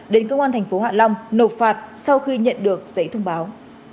đến công an thành phố hạ long nộp phạt sau khi nhận được giấy thông báo